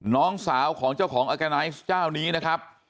น้องสาวของเจ้าของออร์แกไนซ์เจ้านี้นะครับ